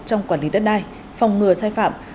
trong quản lý đất đai phòng ngừa sai phạm